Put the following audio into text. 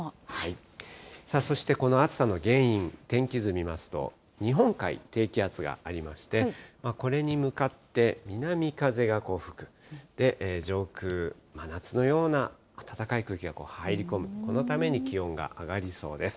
さあ、そしてこの暑さの原因、天気図見ますと、日本海、低気圧がありまして、これに向かって南風がこう吹く、上空、真夏のような暖かい空気が入り込む、このために気温が上がりそうです。